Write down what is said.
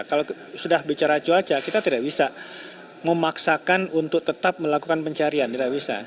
kalau sudah bicara cuaca kita tidak bisa memaksakan untuk tetap melakukan pencarian tidak bisa